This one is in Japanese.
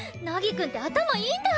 凪くんって頭いいんだ！